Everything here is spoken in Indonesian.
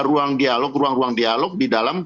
ruang dialog di dalam